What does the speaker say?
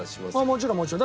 もちろんもちろん。